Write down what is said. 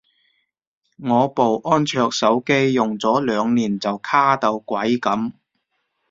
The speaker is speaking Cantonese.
我部安卓手機用咗兩年就卡到鬼噉